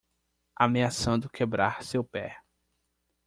Ameaçando quebrar seu pé